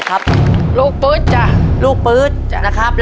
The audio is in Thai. ครับผม